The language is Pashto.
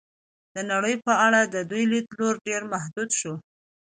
د نړۍ په اړه د دوی لید لوری ډېر محدود شو.